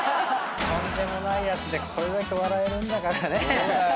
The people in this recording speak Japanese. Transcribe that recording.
とんでもないやつでこれだけ笑えるんだからね。